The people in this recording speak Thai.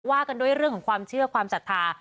กันด้วยเรื่องของความเชื่อความศรัทธา